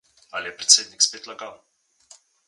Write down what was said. Ali je predsednik spet lagal?